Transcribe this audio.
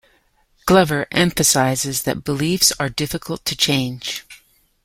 Glover emphasizes that beliefs are difficult to change.